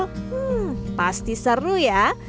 hmm pasti seru ya